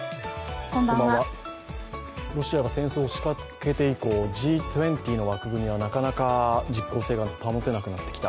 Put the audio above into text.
ロシアが戦争をしかけて以降、Ｇ２０の枠組みはなかなか実効性が保てなくなってきた。